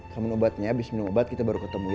kamu minum obatnya abis minum obat kita baru ketemu ya